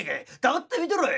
黙って見てろい！」。